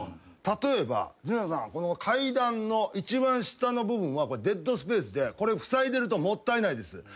例えば「ジュニアさんこの階段の一番下の部分はデッドスペースでこれふさいでるともったいないです」